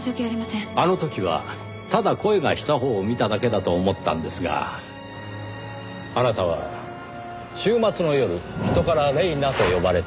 あの時はただ声がしたほうを見ただけだと思ったんですがあなたは週末の夜人から「レイナ」と呼ばれていました。